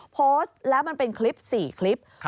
โพสต์แล้วมันเป็นคลิป๔คลิป